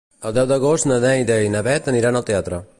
El deu d'agost na Neida i na Bet aniran al teatre.